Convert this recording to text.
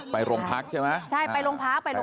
ไปโรงพักใช่ไหมพราคอันครับอ่าไปโรงพักใช่ไหม